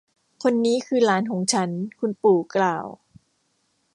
คนนี้คือหลานของฉัน คุณปู่กล่าว